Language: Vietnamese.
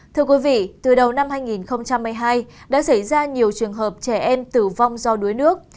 thưa quý vị từ đầu năm hai nghìn hai mươi hai đã xảy ra nhiều trường hợp trẻ em tử vong do đuối nước